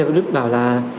và đứt bảo là